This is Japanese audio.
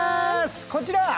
こちら！